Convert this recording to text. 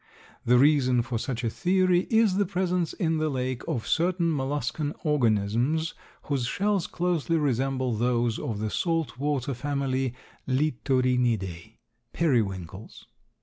The reason for such a theory is the presence in the lake of certain molluscan organisms whose shells closely resemble those of the salt water family, Littorinidae (Periwinkles).